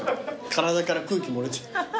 体から空気漏れちゃった。